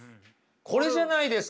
これじゃないですか？